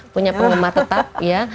punya penggemar tetap ya